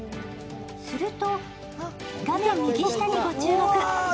すると画面右下にご注目。